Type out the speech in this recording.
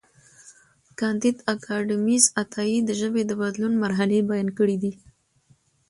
کانديد اکاډميسن عطايي د ژبې د بدلون مرحلې بیان کړې دي.